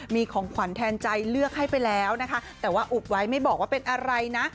มีของขวัญแทนใจเลือกให้ไปแล้วนะคะแต่ว่าอุบไว้ไม่บอกว่าเป็นอะไรนะ